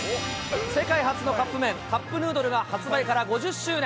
世界初のカップ麺、カップヌードルが発売から５０周年。